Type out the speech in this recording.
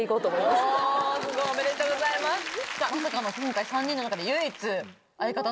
まさかの今回３人の中で唯一。